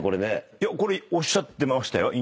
いやこれおっしゃってましたよ。